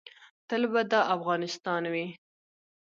تل به دا افغانستان وي